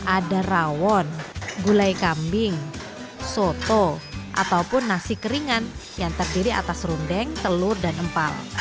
ada rawon gulai kambing soto ataupun nasi keringan yang terdiri atas rundeng telur dan empal